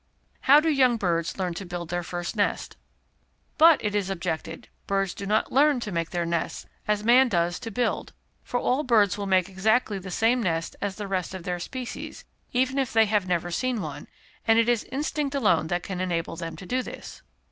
How do Young Birds learn to Build their First Nest? But it is objected, birds do not learn to make their nest as man does to build, for all birds will make exactly the same nest as the rest of their species, even if they have never seen one, and it is instinct alone that can enable them to do this.